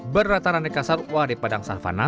berataran di kasar wadipadang savannah